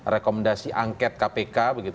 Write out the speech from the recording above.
rekomendasi angket kpk